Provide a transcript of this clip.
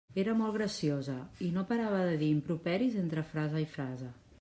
Era molt graciosa i no parava de dir improperis entre frase i frase.